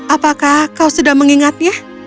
apakah kau sudah mengingatnya